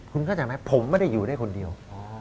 คุณเข้าใจไหมผมไม่ได้อยู่ได้คนเดียว